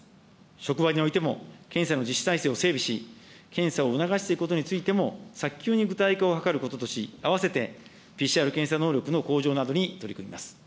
職場においても、検査の実施体制を整備し、検査を促していくことについても、早急に具体化を図ることとし、併せてＰＣＲ検査能力の向上などに取り組みます。